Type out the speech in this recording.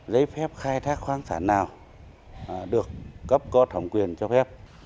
giấy phép khai thác khoáng sản nào được cấp có thẩm quyền cho phép